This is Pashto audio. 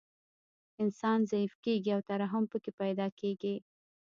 انسان ضعیف کیږي او ترحم پکې پیدا کیږي